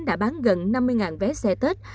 đã bán gần năm mươi vé xe tết